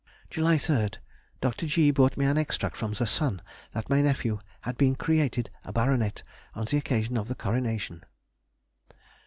July 3rd.—Dr. G. brought me an extract from The Sun that my nephew has been created a baronet on the occasion of the coronation.